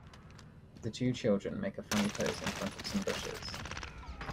The two children make a funny pose in front of some bushes.